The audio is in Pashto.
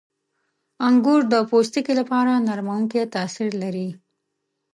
• انګور د پوستکي لپاره نرمونکی تاثیر لري.